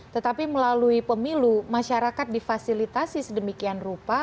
tetapi melalui pemilu masyarakat difasilitasi sedemikian rupa